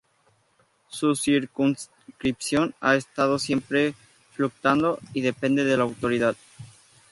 Su circunscripción ha estado siempre fluctuando y depende de la autoridad.